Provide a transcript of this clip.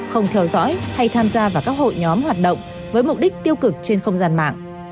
không theo dõi hay tham gia vào các hội nhóm hoạt động với mục đích tiêu cực trên không gian mạng